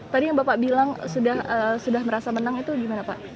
tadi yang bapak bilang sudah merasa menang itu gimana pak